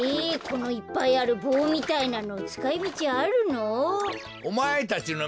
このいっぱいあるぼうみたいなのつかいみちあるの？